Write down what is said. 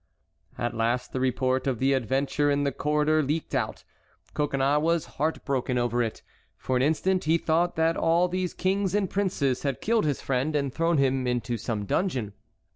At last the report of the adventure in the corridor leaked out. Coconnas was heartbroken over it; for an instant he thought that all these kings and princes had killed his friend and thrown him into some dungeon.